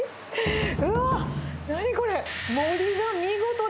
うわっ、何これ？